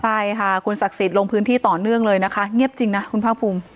ใช่ค่ะคุณศักดิ์สิทธิ์ลงพื้นที่ต่อเนื่องเลยนะคะเงียบจริงนะคุณภาคภูมิ